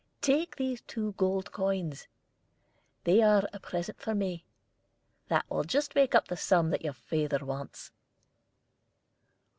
Take these two gold coins they are a present from me that will just make up the sum that your father wants."